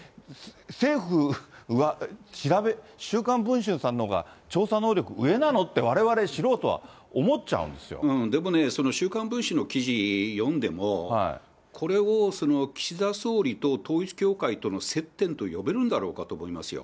政府は、週刊文春さんのが調査能力、上なの？ってわれわれ、でもね、週刊文春の記事読んでも、これを岸田総理と統一教会との接点と呼べるんだろうかと思います